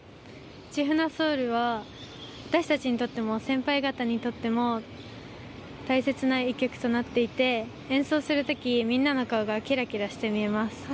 市船ｓｏｕｌは私たちにとっても先輩方にとっても大切な１曲となっていて演奏するときにみんなの顔がキラキラして見えます。